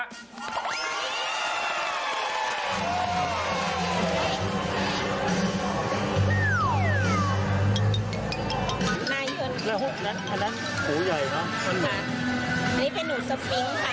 อันนี้เป็นหนูสปิงค์ค่ะ